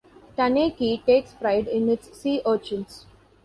Taneichi takes pride in its sea urchins.